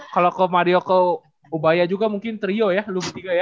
kalo ke mario ke ubaya juga mungkin trio ya lu ketiga ya